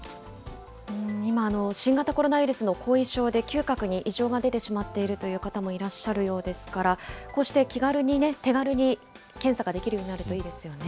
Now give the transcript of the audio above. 今、新型コロナウイルスの後遺症で、嗅覚に異常が出てしまっているという方もいらっしゃるようですから、こうして気軽にね、手軽に検査ができるようになるといいですよね。